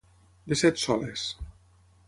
De set soles.